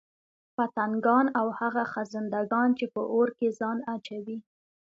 پتنگان او هغه خزندګان چې په اور كي ځان اچوي